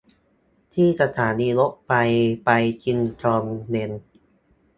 ที่สถานีรถไฟไปกินตอนเย็น